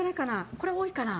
これ多いかな。